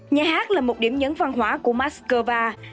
nhà hát là một điểm nhấn văn hóa của moscow